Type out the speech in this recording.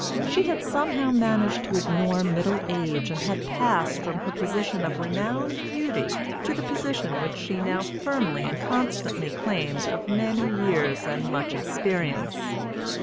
She had somehow managed to ignore middle age, and had passed from her position of renowned beauty to the position which she now firmly and constantly claimed of many years and much experience.